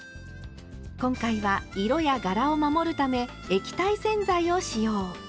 今回は色や柄を守るため液体洗剤を使用。